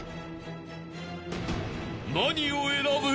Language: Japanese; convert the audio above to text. ［何を選ぶ？］